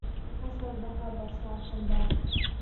Таш аждаһа башы аҫтында.